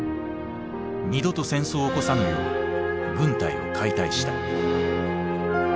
二度と戦争を起こさぬよう軍隊を解体した。